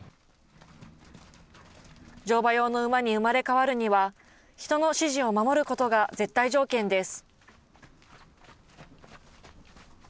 乗馬用の馬に生まれ変わるには、人の指示を守ることが絶対条件です。